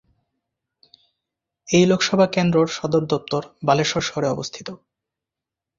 এই লোকসভা কেন্দ্রর সদর দফতর বালেশ্বর শহরে অবস্থিত।